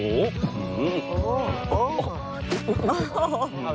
โอ้โหโอ้โห